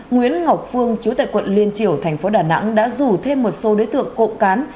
nguyễn ngọc phương chú tại quận liên triều thành phố đà nẵng đã rủ thêm một số đối tượng cộng cán